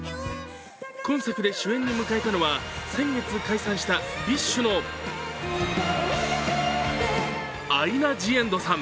今作で主演に迎えたのは先月解散したＢｉＳＨのアイナ・ジ・エンドさん。